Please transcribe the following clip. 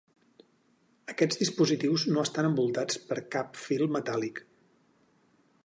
Aquests dispositius no estan envoltats per cap fil metàl·lic.